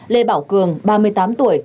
lê bảo cường ba mươi tám tuổi